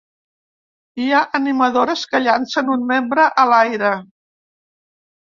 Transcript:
Hi ha animadores que llancen un membre a l'aire.